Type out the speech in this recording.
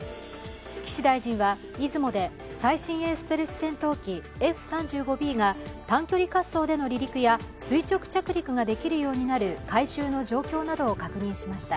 岸大臣は、「いずも」で最新鋭ステルス戦闘機Ｆ３５Ｂが短距離滑走での離陸や垂直着陸ができるようになる改修の状況などを確認しました。